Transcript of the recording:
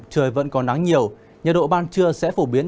trời vẫn còn nắng nhiều nhiệt độ ban trưa sẽ phổ biến